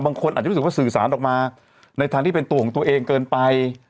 บางคนอาจจะรู้สึกว่าสื่อสารออกมาในทางที่เป็นตัวของตัวเองเกินไป